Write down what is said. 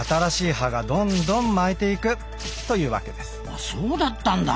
あそうだったんだ。